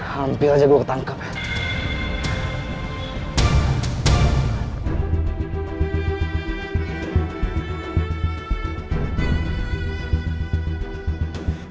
hampir aja gue ketangkep ya